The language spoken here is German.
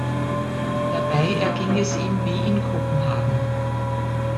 Dabei erging es ihm wie in Kopenhagen.